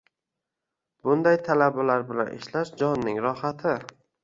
Bunday talabalar bilan ishlash — jonning rohati.